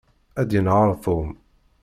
Ad yenheṛ Tom.